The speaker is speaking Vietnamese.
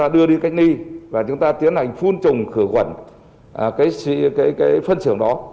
đi cách ni và chúng ta tiến hành phun trùng khởi quẩn cái phân xưởng đó